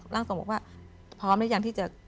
ร่างทรงบอกว่าพร้อมหรือยังที่จะ